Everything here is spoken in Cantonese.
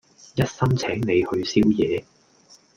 一心請你去宵夜